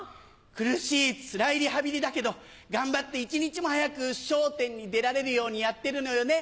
苦しいつらいリハビリだけど頑張って一日も早く『笑点』に出られるようにやってるのよね？